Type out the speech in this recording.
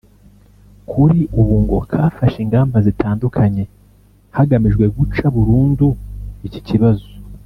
kuri ubu ngo kafashe ingamba zitandukanye hagamijwe guca burundu iki kibazo